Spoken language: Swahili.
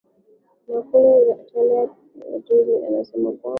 ya ya kule italia ya real madrid real madrid anasema kwamba